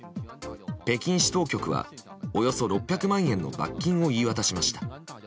北京市当局はおよそ６００万円の罰金を言い渡しました。